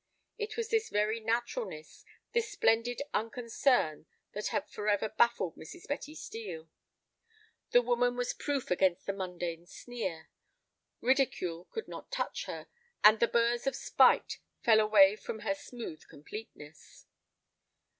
It was this very naturalness, this splendid unconcern that had forever baffled Mrs. Betty Steel. The woman was proof against the mundane sneer. Ridicule could not touch her, and the burrs of spite fell away from her smooth completeness.